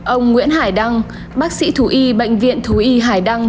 ông nguyễn hải đăng bác sĩ thú y bệnh viện thú y hải đăng